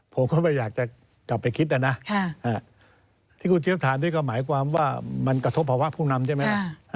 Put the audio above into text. ผมก็ไม่อยากจะกลับไปคิดซะนะที่กูเจี๊ยบถามที่ความหมายความว่ามันกระทบภาวะพลุ่งนำใช่มั้ย